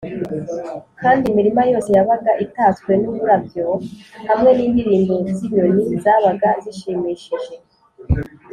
, kandi imirima yose yabaga itatswe n’uburabyo, hamwe n’indirimbo z’inyoni zabaga zishimishije